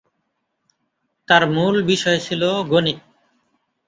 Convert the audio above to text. তার মূল বিষয় ছিল গণিত।